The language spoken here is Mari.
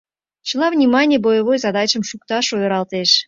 Чыла вниманий боевой задачым шукташ ойыралтеш.